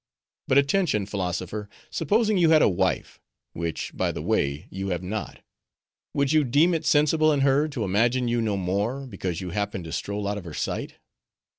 But attention, Philosopher. Supposing you had a wife—which, by the way, you have not—would you deem it sensible in her to imagine you no more, because you happened to stroll out of her sight?"